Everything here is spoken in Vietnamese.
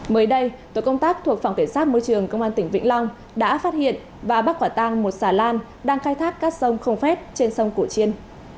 mới đây tổ công tác thuộc phòng kiểm soát môi trường công an tỉnh vĩnh long đã phát hiện và bắt quả tăng một xà lan đang khai thác các sông không phép trên sông cổ chiên